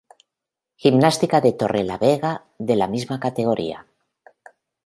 Gimnástica de Torrelavega, de la misma categoría.